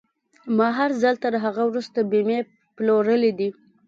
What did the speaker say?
ما هر ځل تر هغه وروسته بيمې پلورلې دي.